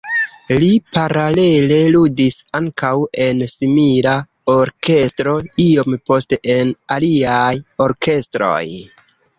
Li paralele ludis ankaŭ en simila orkestro, iom poste en aliaj orkestroj.